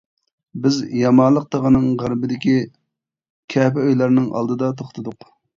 بىز يامالىق تېغىنىڭ غەربىدىكى كەپە ئۆيلەرنىڭ ئالدىدا توختىدۇق.